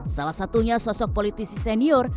salah satunya sosok politisi senior